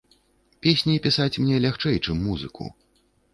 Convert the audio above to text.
Песні пісаць мне лягчэй, чым музыку.